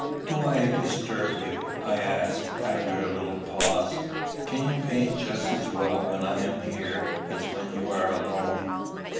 "Do I disturb you?" I asked, after a little pause. "Can you paint just as well when I am here as when you are alone?"